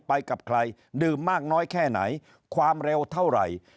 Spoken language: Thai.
ไปกับใครดื่มมากน้อยแค่ไหนความเร็วเท่าไหร่